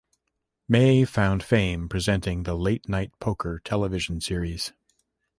May found fame presenting the Late Night Poker television series.